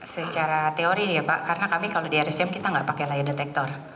secara teori ya pak karena kami kalau di rsm kita enggak pakai lie detector